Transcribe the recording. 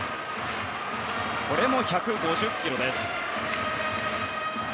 これも１５０キロです。